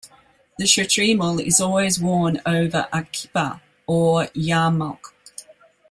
The shtreimel is always worn over a "kippah", or yarmulke.